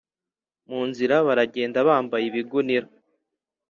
Mu nzira baragenda bambaye ibigunira,